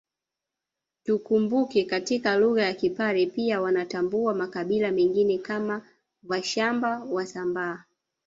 Tukumbuke katika lugha ya Kipare pia wanatambua makabila mengine kama Vashamba Wasambaa